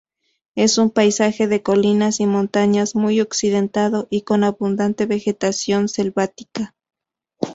Es un paisaje de colinas y montañas muy accidentado y con abundante vegetación selvática.